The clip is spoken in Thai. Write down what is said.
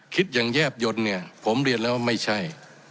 คิดอย่างแยบยนต์เนี่ยผมเรียนแล้วว่าไม่ใช่